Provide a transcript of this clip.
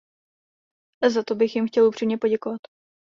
Za to bych jim chtěl upřímně poděkovat.